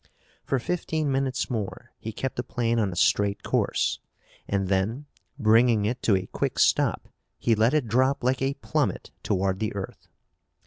For fifteen minutes more he kept the plane on a straight course and then, bringing it to a quick stop, he let it drop like a plummet toward the earth.